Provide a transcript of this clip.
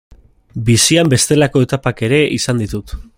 Bizian bestelako etapak ere izan ditut.